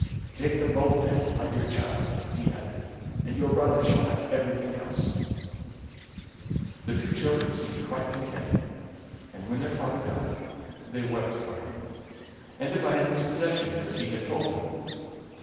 Take them both, then, my dear child," he added, "and your brother shall have everything else." The two children seemed quite contented, and when their father died they wept for him, and divided his possessions as he had told them.